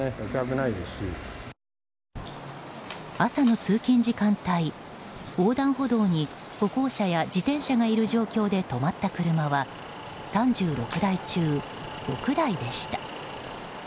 朝の通勤時間帯、横断歩道に歩行者や自転車がいる状況で止まった車は３６台中６台でした。